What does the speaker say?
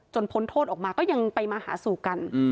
พ้นโทษออกมาก็ยังไปมาหาสู่กัน